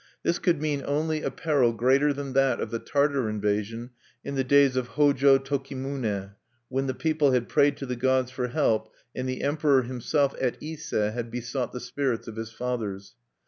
This could mean only a peril greater than that of the Tartar invasion in the days of Hojo Tokimune, when the people had prayed to the gods for help, and the Emperor himself, at Ise, had besought the spirits of his fathers.